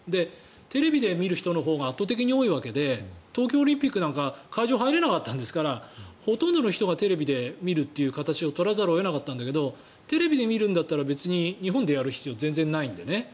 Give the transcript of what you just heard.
テレビで見る人のほうが圧倒的に多いわけで東京オリンピックなんか会場に入れなかったんですからほとんどの人がテレビで見るという形を取らざるを得なかったんだけどテレビで見るんだったら別に日本でやる必要全然ないんでね。